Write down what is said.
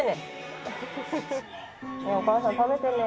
お母さん食べてね。